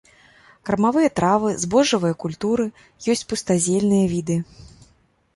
Кармавыя травы, збожжавыя культуры, ёсць пустазельныя віды.